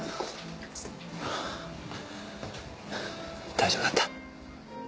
大丈夫だった？